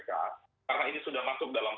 karena ini sudah masuk dalam